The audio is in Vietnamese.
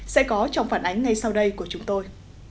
sẽ có trong phản ánh ngay sau đây của chúng tôi